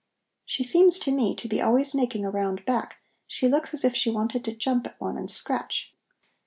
She seems to me to be always making a round back; she looks as if she wanted to jump at one and scratch."